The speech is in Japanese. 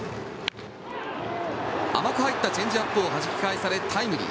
甘く入ったチェンジアップをはじき返され、タイムリー。